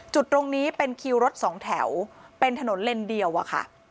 จุดตรงนี้เป็นคิวรถสองแถวเป็นถนนเลนเดียวอะค่ะ